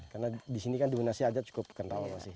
karena di sini kan dominasi adat cukup kental masih